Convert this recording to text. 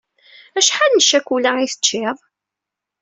Acḥal n ccakula i teččiḍ?